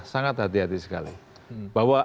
sangat hati hati sekali bahwa